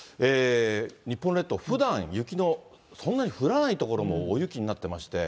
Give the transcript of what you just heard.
日本列島、ふだん雪のそんなに降らない所も大雪になってまして。